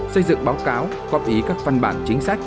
xây dựng báo cáo góp ý các văn bản chính sách